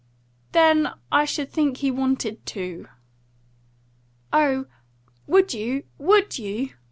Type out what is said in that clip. "Then I should think he wanted to." "Oh, would you WOULD you?